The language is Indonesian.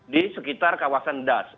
di sekitar kawasan das